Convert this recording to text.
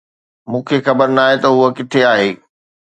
مون کي خبر ناهي ته هو ڪٿي آهي